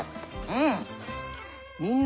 うん！